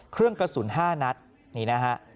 เครื่องกระสุน๕นัดนี่นะฮะ